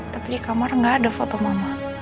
tapi di kamar gak ada foto mama